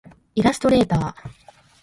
イラストレーター